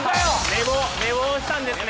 寝坊寝坊したんですね